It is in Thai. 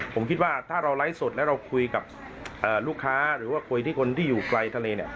ผมคิดว่าถ้าเราไลฟ์สดแล้วเราคุยกับลูกค้าหรือว่าคุยที่คนที่อยู่ไกลทะเลเนี่ย